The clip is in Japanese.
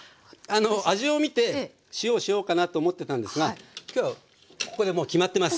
あの味をみて塩をしようかなと思ってたんですが今日はここでもう決まってます。